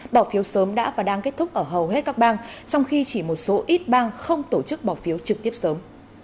bỏ phiếu sớm đã và đang kết thúc ở hầu hết các bang trong khi chỉ một số ít bang không tổ chức bỏ phiếu trực tiếp sớm